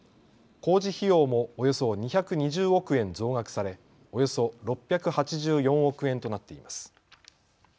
工事費用もおよそ２２０億円増額されおよそ６８４億円となっています。